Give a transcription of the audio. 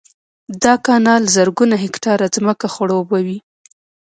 دا کانال زرګونه هکټاره ځمکه خړوبوي